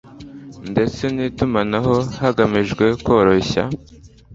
ndetse n'itumanaho hagamijwe koroshya